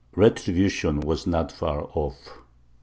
Retribution was not far off.